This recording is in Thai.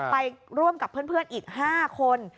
ไปร่วมกับเพื่อนอีก๕คน